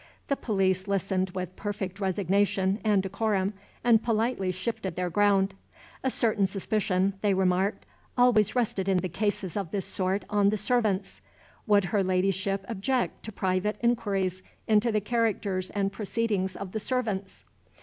The police listened with perfect resignation and decorum, and politely shifted their ground. A certain suspicion (they remarked) always rested in cases of this sort on the servants. Would her Ladyship object to private inquiries into the characters and proceedings of the servants?